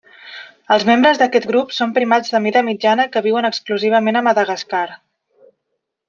Els membres d'aquest grup són primats de mida mitjana que viuen exclusivament a Madagascar.